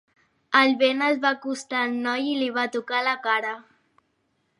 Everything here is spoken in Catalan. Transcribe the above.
El vent es va acostar al noi i li va tocar la cara.